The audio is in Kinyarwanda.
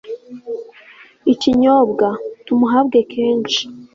ikinyobwa. tumuhabwe kenshi